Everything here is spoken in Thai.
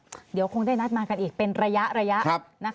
เดี๋ยวคงได้นัดมากันอีกเป็นระยะ